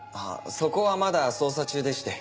そこはまだ捜査中でして。